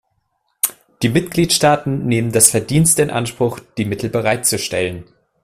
Die Mitgliedstaaten nehmen das Verdienst in Anspruch, die Mittel bereitzustellen.